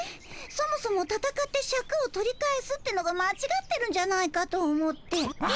そもそもたたかってシャクを取り返すってのがまちがってるんじゃないかと思って。